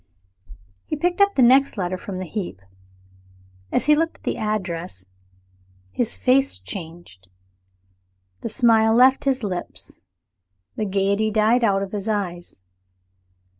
He picked up the next letter from the heap. As he looked at the address, his face changed. The smile left his lips, the gayety died out of his eyes.